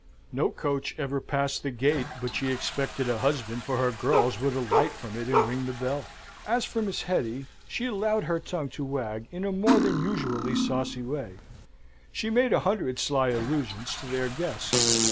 No coach ever passed the gate, but she expected a husband for her girls would alight from it and ring the bell. As for Miss Hetty, she allowed her tongue to wag in a more than usually saucy way: she made a hundred sly allusions to their guest.